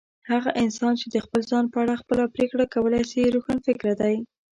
هغه انسان چي د خپل ځان په اړه خپله پرېکړه کولای سي، روښانفکره دی.